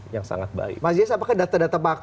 yang sangat baik mas yes apakah data data